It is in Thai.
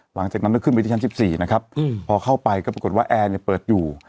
หลังจากนั้นก็ขึ้นไปที่ชั้น๑๔นะครับพอเข้าไปก็ปรากฏว่าแอร์เนี่ยเปิดอยู่